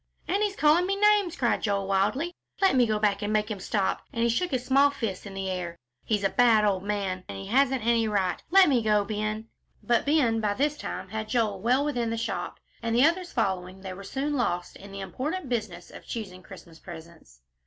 "And he's calling me names," cried Joel, wildly; "let me go back and make him stop," and he shook his small fists in the air. "He's a bad old man and he hasn't any right. Let me go, Ben." But Ben by this time had Joel well within the shop, and, the others following, they were soon lost in the important business of choosing Christmas presents.